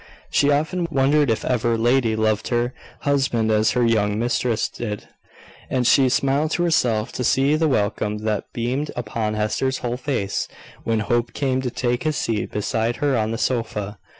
She often wondered if ever lady loved her husband as her young mistress did; and she smiled to herself to see the welcome that beamed upon Hester's whole face when Hope came to take his seat beside her on the sofa.